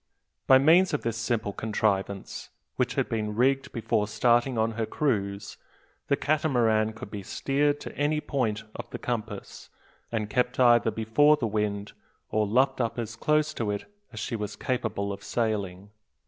By means of this simple contrivance, which had been rigged before starting on her cruise, the Catamaran could be steered to any point of the compass, and kept either before the wind, or luffed up as close to it as she was capable of sailing.